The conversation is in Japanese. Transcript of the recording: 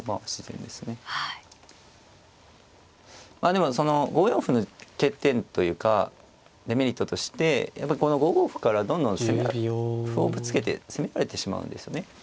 でも５四歩の欠点というかデメリットとしてやっぱりこの５五歩からどんどん攻められ歩をぶつけて攻められてしまうんですよね。